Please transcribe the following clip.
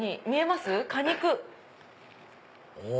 お！